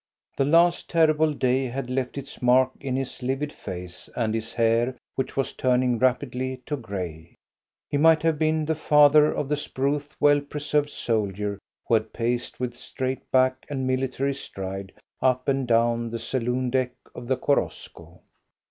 The last terrible day had left its mark in his livid face and his hair, which was turning rapidly to grey. He might have been the father of the spruce well preserved soldier who had paced with straight back and military stride up and down the saloon deck of the Korosko.